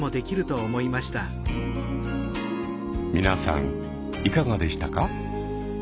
皆さんいかがでしたか？